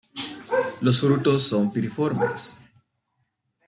Los frutos son piriformes.